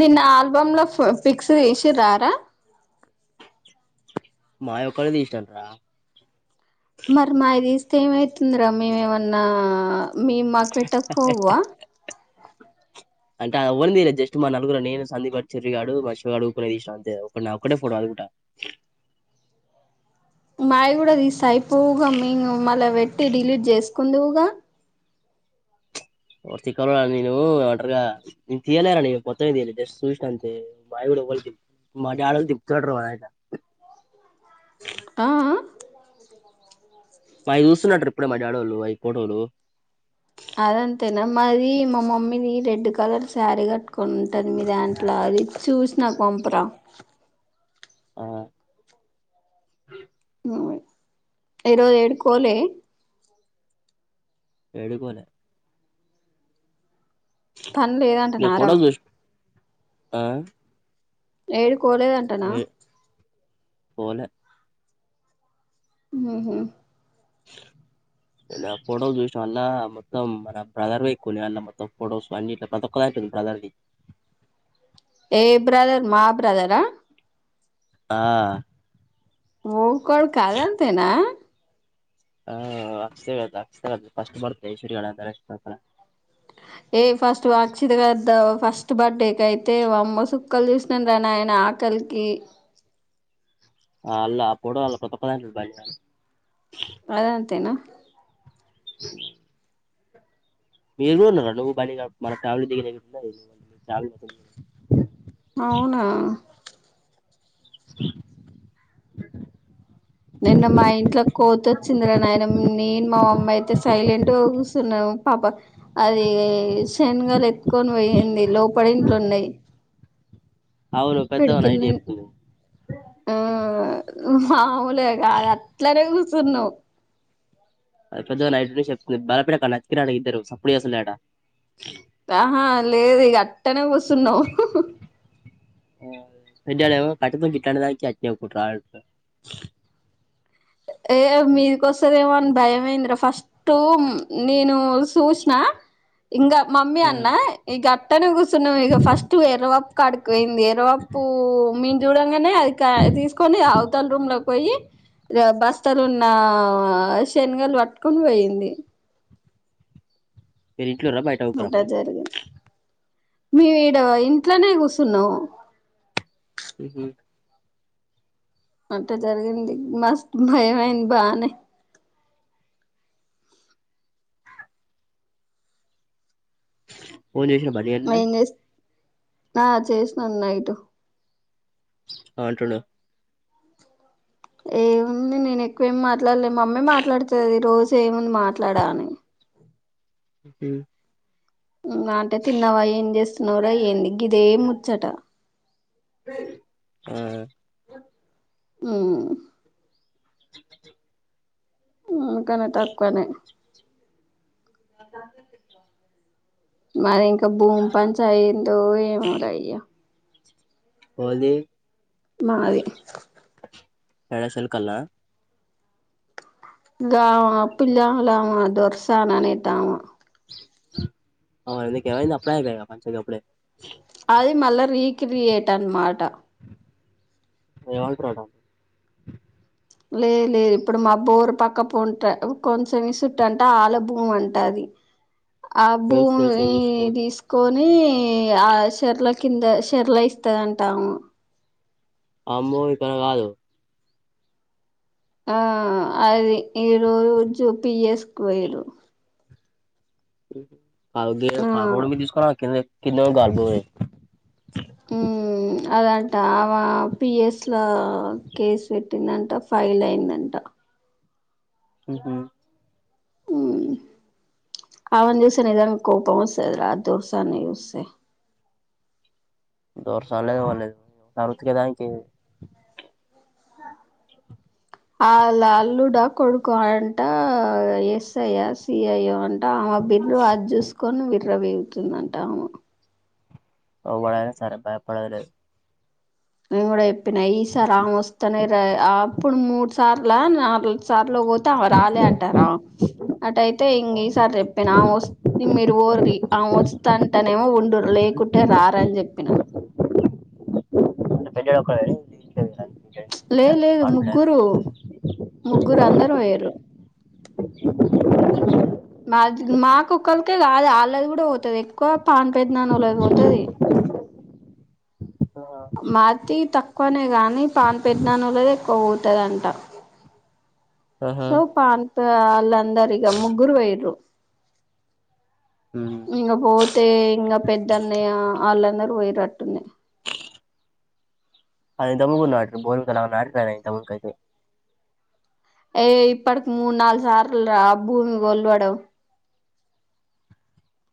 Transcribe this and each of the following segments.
నిన్న ఆల్బమ్ ల ఫ ఫిక్స్ ఈసిర్రారా మాయ్ ఒక్కరే తీశ్నం రా మరి మాయి దీస్తే ఏమైతుందిరా మేమేమన్నా మీవ్ మాక్ పెట్టక్ పోవా అంటే ఆ అవ్వరం దిగలే జస్ట్ మా నలుగురు నేను సంధీప్గా, చెర్రిగాడు, మా అశ్వగాడు, ప్రధీశ్, అంతే ఒక్క నా ఒక్కటే ఫోటో. పుట మాయి కూడా తీస్తే అయిపోవుగా మేం మళ్ళ పెట్టి డిలీట్ చేస్కుందువుగా ఓర్ తిక్కలోడ నేను ఏమో అటర్గా నిన్ తీయలేరా నేను మొత్తమే జస్ట్ చూసిన అంతే మాయి [unintelligible] ఆ ఆ మాయి చూస్తున్రట ట్రిప్పుడే మా డాడోళ్ళలు అయి ఫోటోలు అదంతేనా మాది మా మమ్మీది రెడ్ కలర్ సారీ కట్టు కుంటద్ మీ దాంట్ల అది చూసి నాక్ పంప్ రా ఆ ఈ రోజు ఏడిక్కోలే ఏడిక్ పోలే పన్ నేను లేదంటనార ఫోటోలు చూసి ఆ ఏడిక్ కోలేదంటనా ఏ పోలే మ్ హ్ నిన్నా ఫొటోస్ చూసినం అన్నా మొత్తం మన బ్రదర్వే ఎక్కు ఉన్నయ్ అన్న మొత్తం ఫొటోస్ అన్నిట్ల ప్రతి ఒక్కదాన్ బ్రదర్ది. ఏ బ్రదర్ మా బ్రదరా ఆ ఓ కొడక అదంతేనా ఆ అస్తే కదా అస్తే కదా ఫస్ట్ బర్త్డే [unintelligible] ఏయ్ ఫస్ట్ వాక్షిత గద్దవ్ ఫస్ట్ బర్త్డే కే అయితే వామ్మో సుక్కల్ చూసినాన్ రా ఆయన ఆకలికి ఆ అల్ ఆ పోడు అల్ [inaudible] అదంతేనా అ మీరు కూడా ఉన్నారా నువ్వు బండి [inaudible] అవునా [inaudible] నిన్న మా ఇంట్ల కోతొచ్చిందిరా నాయన నేన్ మా మమ్మయితే సైలెంట్గ కూర్చున్నాం పాప అది శన్గల్ ఎత్తుకోన్ పోయింది. లోపల ఇంట్లున్నయి. అవును పెద్దగా పడికెల్ నైట్ నేన్ చెప్తుంది ఆ మామూలే కాద్ అట్లనే కుసున్నాం. అది పెద్దగ చెప్తుంది బాలపిడ కల అచ్చిరా ఇద్దరు సప్పుడుచేస్తలే అట. ఆహా లేద్ ఇగ అట్టనే కూసున్నాం. [unintelligible] ఏ మీడికొస్తదేమో అని భయమయిందిరా ఫస్ట్ టు నేను చూసిన ఇంగా మమ్మీ అన్న ఇగ అట్టనే కూసున్నాం ఇగ ఫస్ట్ [inaudible] పోయింది ఏరు అప్పు మీ చూడంగనే అది క తీస్కొని అవతల రూమ్లక్ పోయి గ బస్తలున్న శనగలు పట్టుకొన్ పోయింది. మీర్ ఇంట్లుంరా బయట కూర్చున్రా అప్పుడు మేం ఇడ ఇంట్లనే కూసున్నాం. [inaudible] అంటే జరిగింది. మస్త్ భయం అయింది బానే ఫోన్ చేసిండా బన్నీ గాడ్ నిన్న ఏం చేస్ ఆ చేసినం నైట్ ఆ అంటుండు. ఏముంది నేన్ ఎక్కువేం మాట్లాడ్లే మమ్మే మాట్లాడ్తది రోజే ఏముంద్ మాట్లాడ అని హ్ అంటే తిన్నవా ఏం చేస్తున్నవ్ రా ఏంది గిదే ముచ్చట. ఆ అమ్ [inaudible] ఉమ్ ఇతనే తక్కువనే నా చార్జర్ స్విచ్ ఆఫ్ మరి ఇంకా భూమి పంచ అయ్యందో ఏమోలే అయ్యా పోది మాది ఎడా సెల్ కలా గా పిల్ల లామా దొరసని అనిది ఆమా అవునా నీకు ఏమయింది అప్లయి గ పెంచే అప్పుడే క్రియేట్ అన్నమాట ఎం అంటాడు లేదు లేదు ఇప్పుడు మా బోరు పక్క పోంట కొంచెం చుట్ట అంటే ఆళ్ల భూమి అంట అది ఆ తెలుసు తెలుసు భుమి ఏం చేస్తావ్ తీస్కో ని ఆ చెట్ల కింద చెట్ల ఇస్తదంటాము అమ్మో ఇక్కడ కాదు ఆ అది ఈ రోజు జుపిఎస్క పోయిరు ఆ గే రోడ్ మీద తీసుకోరా క్రింద క్రింద ఏ గల్బ ఉమ్ అదంటా అమా పిఎస్ లో కేసు పెట్ పట్టిందంట ఫైల్ అయిందంట ఉహుమ్ ఉమ్ ఆమెని చూస్తే నిజంగా కోపం వస్తే అద రా దోసాన్నిస్తే దరసాని లేదు ఎవన్ లేదు ఉతికి దానికి అలా అల్లుడా కొడుకా అంట ఎస్ఐయా సిఐయే అంట ఆమె బిర్రు అది చూసుకొని విర్ర వీగుతుందంట ఆమె వడ సర అప్పుడలు నువ్వు కూడా చెప్పిన ఈసారి ఆమే వస్తానే అప్పుడు మూడు సార్ల నాది సార్లో పోత అ రాలే అంటారా అటయితే అయితే ఇంకా ఈ సారి చెప్పినా ఆమె వస్తే మీరు ఊరకా ఆమె వస్త అంటనేమో ఉండూరు లేకుంటే రారని చెప్పినా పెట్టాడు ఒక లేదు లేదు ముగ్గురూ ముగ్గురు అందరూ పోయ్యరు మాది మా కోక్కళకే కాదు వాళ్ళది కూడా పోతది ఎక్కువ పా పెద్దనాన్నోలకి పోతాది మాతి తక్కువనే గానీ పాన్ పెట్టినానో లేదో పోతదంట ఆహా సో పాన్ వాళ్ళ అందరి గా ముగ్గురు పోయిరు ఇంకా పోతే ఇంకా పెద్దన్నయ్య ఆళ్ళందరూ పోయిరట్టుంది అది దమున బోరు [unintelligible] తమ ఏ ఇప్పటికి మూడు నాలుగు సార్లు రా భూమి కొలవడం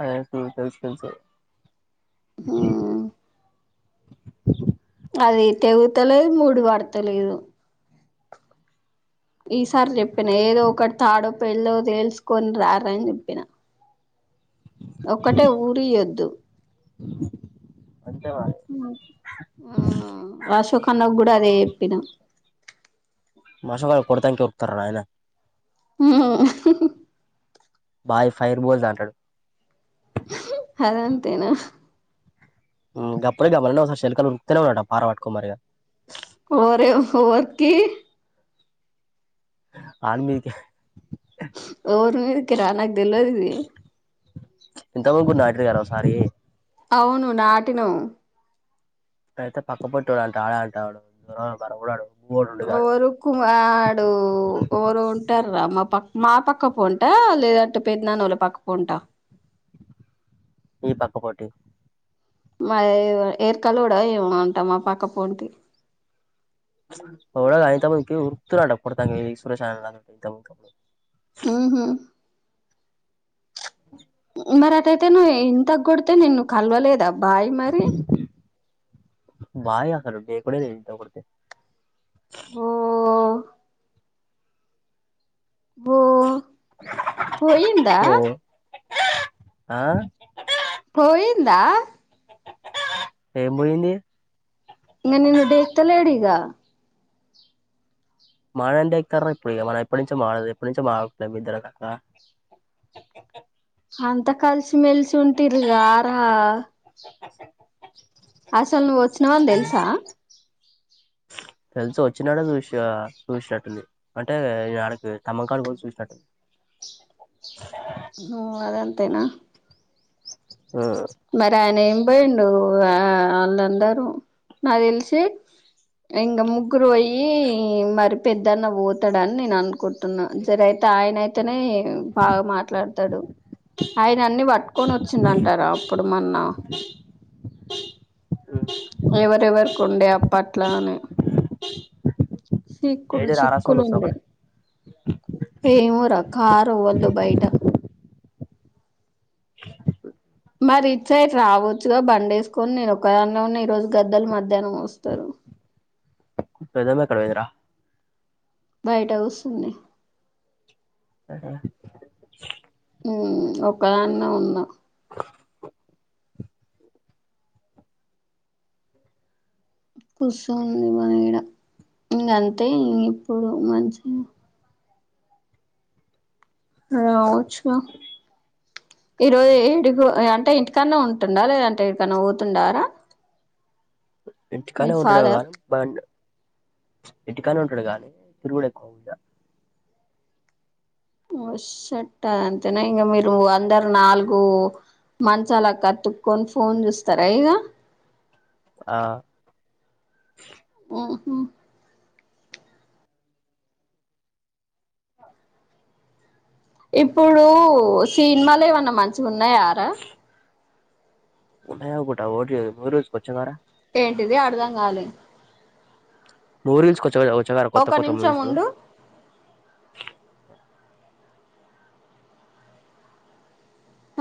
అదే ఉమ్ తెలుసు తెలుసు ఉమ్ అది తెగుతలేదు మూడి పడతలేదు ఈసారి చెప్పిన ఏదో ఒకటి తాడో పెళ్ళో తెల్చకొని రార అని చెప్పిన ఒక్కటే ఊరియొద్దు అంతేవా ఉమ్ హమ్ అశోక్ అన్నకు కూడా అదే చెప్పినాం మోసగాళ్ళు కొడతానికే వస్తారు నాయన హమ్మ్ బాయ్ ఫైర్ బోల్దా అంటడు అదంతేనా గప్పడ గబ ఒకస శెల్కల్ ఉక్కుతేనే ఉన్నాట పారా పట్టుకొని పోయారిగా [inaudible] ఓరే ఓర్కీ ఆన్ మిదికే ఓరు మీదికిరా నాకు తెలవదు ఇది ఇంత మొగ్గు ఉన్నాడు నాటరు గారు సారి అవును నాటినవు అయితే పక్క పుట్ట వాడుంట ఆడ అంటాడు ద మన కూడాడు ఎవరు కుమారు ఎవరో ఉంటారు రా మా ప మా పక్క పోంట లేదంటే పెద్దనాన్న వాళ్ళ పక్క పోంటా మీ పక్కపోటి మా ఏ ఏర్కలోడా ఏమ అంటా మా పక్క పోంటి గా అయితే ఉత్తినే కొడతా సురేషన్న [inaudible] [unintelligible] ఉహూ మరి అటయితే నువ్వు ఇంతకు కొడితే నిను కలవలేదా బాయ్ మరి బాయి అక్కడ డేకూడే దేకుడు ఎవరిని ఓ ఓ పోయిందా ఓ ఆ పోయిందా ఏమి పోయింది ఇక నిన్ను దేక్త లేడు ఇకా మన అంటే ఎతార ఇప్పుడు మనం ఎప్పు నుంచో మాడదు ఎప్పడు నుంచో మాడట్లే ఇద్దరు కాక [unintelligible] [inaudible] [inaudible] అంత కలిసి మెల్సి ఉంటర గార అసలు నువ్వు వచ్చినవని తెలుసా [inaudible] తెలిసి వచ్చినాడ చూసి చూసినట్టుంది అంటే ఆడకి తమ్మకాడు కూడా చూసినట్టుంది అ అదంతేనా మరి ఆయన ఏమి పోయిండు ఆ వాళ్ళందరూ నా తెలిసి ఇంగా ముగ్గురు అయ మరి పెద్దన్న పోతాడ అని నేను అనుకుంటున్నా జర అయితే ఆయనయితే అయితేనే బాగా మాట్లాడతాడు ఆయన అన్ని పట్టుకొని వచ్చిందింటారా మన్న ఎవరెవర్క ఉండే అప్పట్లాను చిక్కులు ఏడి రారాసోడు చిక్కులు వస్తుంది ఉండే ఒకటి ఏమో రా కారు ఎవరిదో బయట మరి ఇటు సైడ్ రావచ్చుగా బండి వేసుకొని నేను ఒకదానిలో ఉన్న ఈ రోజు గద్దలు మధ్యాహ్నం వస్తారు [inaudible] పెద్దమ్మ ఎక్కడ పోయింది రా బయట కూర్చుంది ఆ ఒక్క దాన్నే ఉన్నా [inaudible] కుస్తుంది మన ఇడ ఇక అంతే ఇ ఇప్పుడు మంచి రావచ్చుగా ఈరోజు ఏడు అంటే ఇంటికన్నా ఉంటుందా లేదంటే ఇడికన్నా పోతుండారా [unintelligible] మీ ఇంటికన్నె ఫాదర్ ఉంటాడు బడ్ [unintelligible] కాని ఉంటాడు గా తిరుగుడ ఎక్కు [unintelligible] ఓ షట్ అంతేనా ఇంగ మీరు అందరు నాలుగు మంచాలక్కతుక్కొని ఫోన్ జుస్తరా ఇగ ఆ ఉహు ఇప్పుడు సినిమలు ఏమన్నా మంచిగున్నయారా ఉన్నాయనుకుంట ఓడి మీరుజ కొచ్చగారా [unintelligible] ఏంటిది అర్థం గాలే మూవీ రూల్జ్ కి వచ్చాయి కదా కొత్త ఒక కొత్త నిమిషం మూవీసు ఉండు [unintelligible]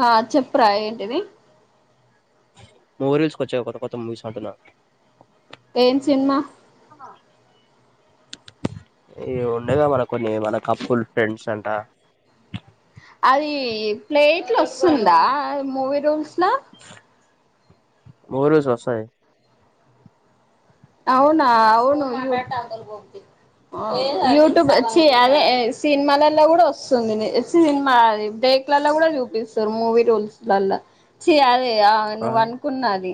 ఆ చెప్పురా ఏంటిది [inaudible] మూవి రూల్స్ కోచ్చాయ కొత్త కొత్త మూవీస్ అంటున్నా ఏం సినిమా [inaudible] ఇ ఉండేగా మన కొన్ని మన కపుల్ ఫ్రెండ్స్ అంట అది ప్లేట్లు వస్తుందా మూవీ రూల్స్ ల [inaudible] మూవీ రూల్స్ లో వస్తది అవునా అవును ఆ యూట్యూబ్ చి అదే సినిమాలలో గుడ వస్తుంది సినిమా ఆది [inaudible] [unintelligible] లో కూడా చూపిస్తారు మూవీ రూల్స్ లల్లా చి అదే ఆ నువ్ అనుకున్నది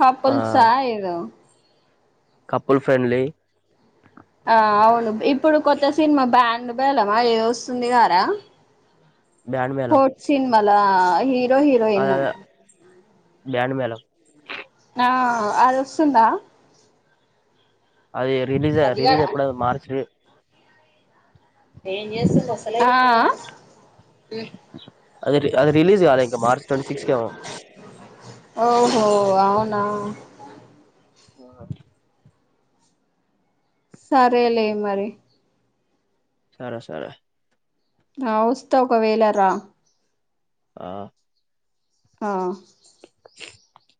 కపుల్స్ ఆ ఏదో కపుల్ ఫ్రెండ్లీ ఆ అవును ఇప్పుడు కొత్త సినిమా బ్యాండ్ బేలమా ఏధో వస్తుంది గదరా బాండ్ మేళం మలా హిరో హిరోయిన్ అద బ్యాండ్ మేళం ఆ అదోస్తుందా అది రిలీజ్ రిలీజ్ ఆయి ఎపుడు [unintelligible] ఏం జేస్తుంద అసలే ఆహా! అది అది రిలీజ్ గాలే ఇంకా మార్చ్ ట్వంటీ సిక్స్ కేమో ఓహో అవునా [unintelligible] సరే లే మరి సరే, సరే ఆ వస్తే ఒకవేళ రా ఆ ఆ [unintelligible]